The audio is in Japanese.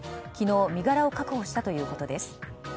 昨日、身柄を確保したということです。